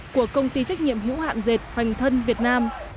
của công ty trách nhiệm hữu hạn dệt hoành thân việt nam